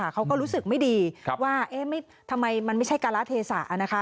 เขาก็รู้สึกไม่ดีว่าทำไมมันไม่ใช่การละเทศะนะคะ